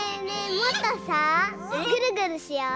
もっとさぐるぐるしよう！